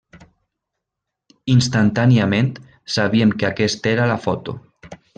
Instantàniament, sabíem que aquesta era la foto.